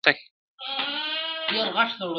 ستا دي قسم په ذوالجلال وي.!